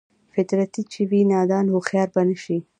فطرتي چې وي نادان هوښيار به نشي